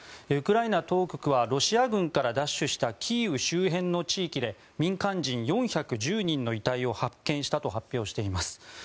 ウクライナ当局はロシア軍から奪取したキーウ周辺の地域で民間４１０人の遺体を発見したと発表しています。